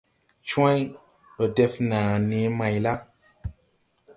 Cwãy. Ndɔ def naa nee may la?